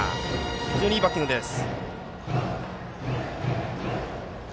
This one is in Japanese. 非常にいいバッティングです。